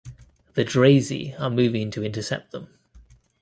The Drazi are moving to intercept them.